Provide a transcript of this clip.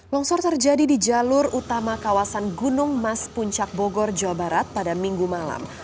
longsor terjadi di jalur utama kawasan gunung mas puncak bogor jawa barat pada minggu malam